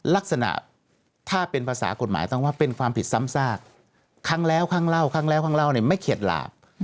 ลักษณะถ้าเป็นภาษากฎหมายต้องว่าเป็นความผิดซ้ำซากครั้งแล้วครั้งเล่าไม่เขียดหลาบ